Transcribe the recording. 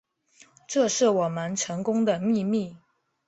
这是我们成功的秘密